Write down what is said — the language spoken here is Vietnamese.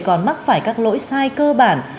còn mắc phải các lỗi sai cơ bản